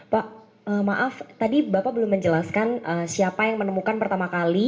pak maaf tadi bapak belum menjelaskan siapa yang menemukan pertama kali